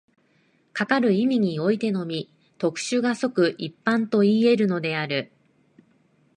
かかる意味においてのみ、特殊が即一般といい得るのである。